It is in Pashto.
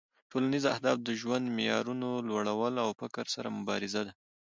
ټولنیز اهداف د ژوند معیارونو لوړول او فقر سره مبارزه ده